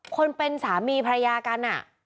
คนเป็นสามีภรรยากัน